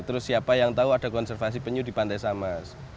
terus siapa yang tahu ada konservasi penyu di pantai samas